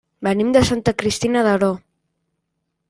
Venim de Santa Cristina d'Aro.